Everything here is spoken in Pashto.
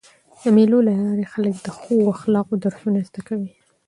د مېلو له لاري خلک د ښو اخلاقو درسونه زده کوي.